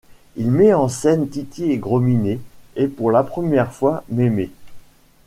Il met en scène Titi et Grosminet et pour la première fois, Mémé.